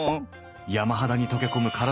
山肌に溶け込む体の模様。